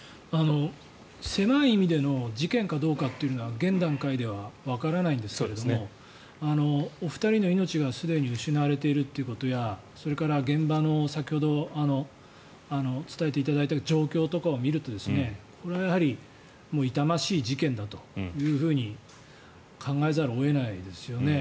狭い意味での事件かどうかというのは現段階ではわからないんですけれどもお二人の命がすでに失われているということやそれから、現場の先ほど伝えていただいた状況とかを見ると痛ましい事件だというふうに考えざるを得ないですよね。